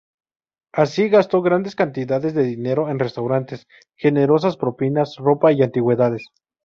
Así, gastó grandes cantidades de dinero en restaurantes, generosas propinas, ropa y antigüedades.